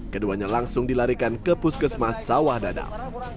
keduanya langsung dilarikan ke puskesmas sawah dadap